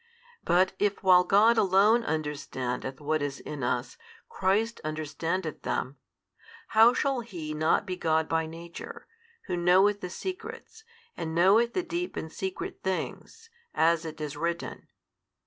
But if while God Alone understandeth what is in us, Christ understandeth them: how shall He not be God by Nature, Who knoweth the secrets, and knoweth the deep and secret things, as it is written?